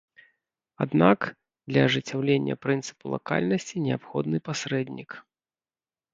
Аднак, для ажыццяўлення прынцыпу лакальнасці неабходны пасрэднік.